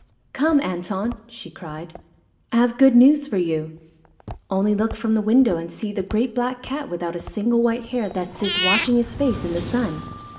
"Come, Antone!" she cried. "I have good news for you. Only look from the window and see the great black cat without a single white hair that sits washing his face in the sun.